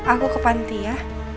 aku ke panti ya